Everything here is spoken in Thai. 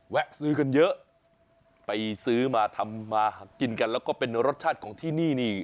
ซื้อกันเยอะไปซื้อมาทำมาหากินกันแล้วก็เป็นรสชาติของที่นี่นี่